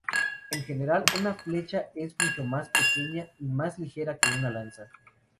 En general, una flecha es mucho más pequeña y más ligera que una lanza.